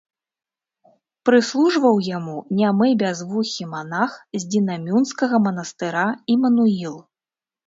Прыслужваў яму нямы бязвухі манах з Дзінамюндскага манастыра Імануіл.